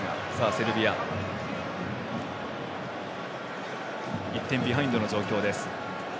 セルビアは１点ビハインドの状況です。